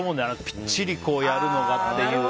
ぴっちりやるのがっていう。